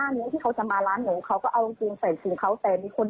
ก็ยังก็จะเพิ่มมาร้านผู้หญิงเพราะไม่มีสนุน